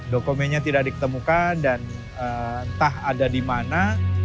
dokumennya tidak ditemukan dan entah ada di mana